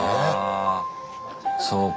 そうか。